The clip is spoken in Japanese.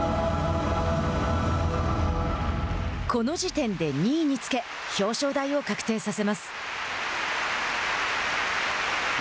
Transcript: この時点で２位につけ表彰台を確定させます。